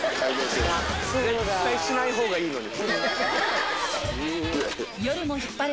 絶対しない方がいいのに。